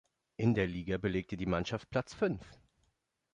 In der Liga belegte die Mannschaft Platz fünf.